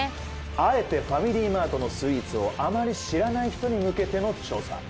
あえてファミリーマートのスイーツをあまり知らない人に向けての調査。